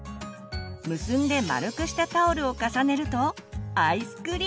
結んで丸くしたタオルを重ねるとアイスクリーム。